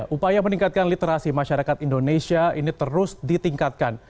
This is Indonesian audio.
upaya meningkatkan literasi masyarakat indonesia ini terus ditingkatkan